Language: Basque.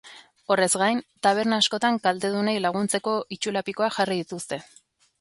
Horrez gain, taberna askotan kaltedunei laguntzeko itsulapikoak jarri dituzte.